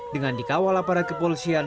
dengan dikawal aparat kepolisian